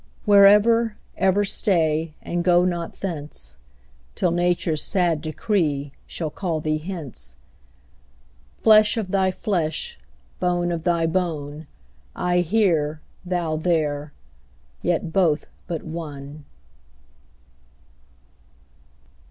Where ever, ever stay, and go not thence, Till nature's sad decree shall call thee hence; Flesh of thy flesh, bone of thy bone, I here, thou there, yet both but one.